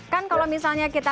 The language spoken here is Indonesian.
kan kalau misalnya kita